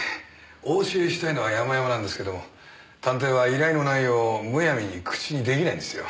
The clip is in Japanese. お教えしたいのは山々なんですけども探偵は依頼の内容をむやみに口に出来ないんですよ。